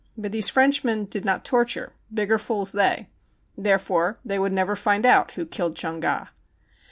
But these Frenchmen did not torture ã bigger fools they ! Therefore they would never find out who killed Chung Ga.